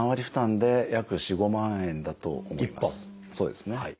そうですね。